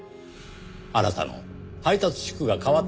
あなたの配達地区が変わったからです。